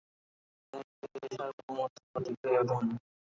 তিনি ধীরে ধীরে সার্বভৌমত্বের প্রতীক হয়ে ওঠেন।